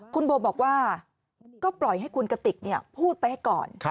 คุณโบบอกว่าก็ปล่อยให้คุณกติกพูดไปให้ก่อน